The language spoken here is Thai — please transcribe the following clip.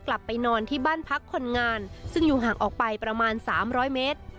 กลับไปนอนที่บ้านพักคนงานซึ่งอยู่ห่างออกไปประมาณ๓๐๐เมตร